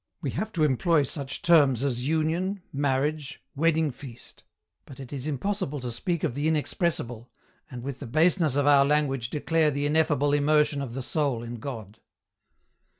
We have to employ such terms as ' union,' 'marriage,' ' wedding feast' ; but it is impossible to speak of the inexpressible, and with the baseness of our language declare the ineffable immersion of the soul in God."